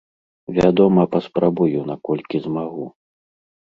Вядома, паспрабую, наколькі змагу.